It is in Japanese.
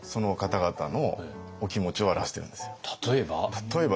例えば？